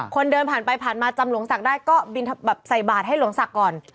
คนเดินผ่านไปผ่านมาจำหลวงศักดิ์ได้ก็บินแบบใส่บาทให้หลวงศักดิ์ก่อน